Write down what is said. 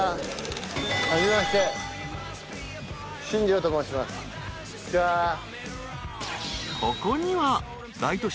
新庄と申します。